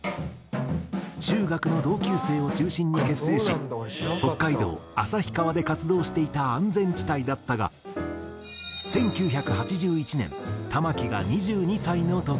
中学の同級生を中心に結成し北海道旭川で活動していた安全地帯だったが１９８１年玉置が２２歳の時。